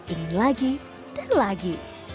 ingin lagi dan lagi